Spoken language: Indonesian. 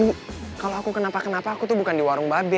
kalau aku kenapa kenapa aku tuh bukan di warung babe